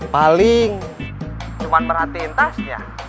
paling cuma merhatiin tasnya